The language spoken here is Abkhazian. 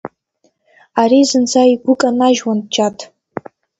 Ари зынӡа игәы канажьуан Џьаҭ.